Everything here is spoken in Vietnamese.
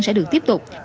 sẽ được tiếp tục